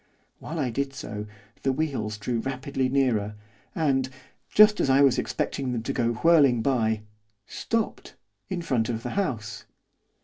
While I did so, the wheels drew rapidly nearer, and, just as I was expecting them to go whirling by, stopped, in front of the house.